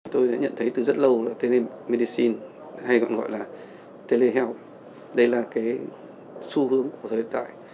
tôi đã nhận thấy từ rất lâu là telemedicine hay còn gọi là telehealth đây là cái xu hướng của thời đại